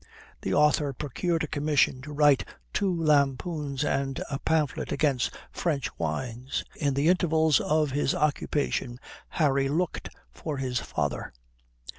The author procured a commission to write two lampoons and a pamphlet against French wines. In the intervals of this occupation, Harry looked for his father.